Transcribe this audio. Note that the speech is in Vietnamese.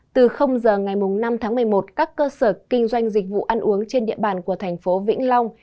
từ giờ ngày năm tháng một mươi một các cơ sở kinh doanh dịch vụ ăn uống trên địa bàn của thành phố vĩnh long